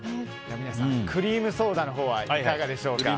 皆さんクリームソーダのほうはいかがでしょうか。